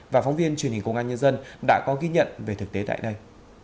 và phóng viên truyền hình công an nhân dân đã có ghi nhận về thực tế tại đây